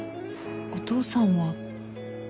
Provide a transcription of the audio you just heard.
お父さんは。